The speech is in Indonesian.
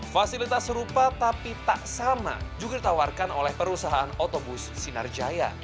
fasilitas serupa tapi tak sama juga ditawarkan oleh perusahaan otobus sinarjaya